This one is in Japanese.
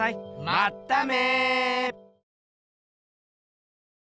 まっため！